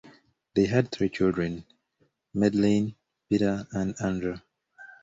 They had three children: Madeline, Peter, and Andrew.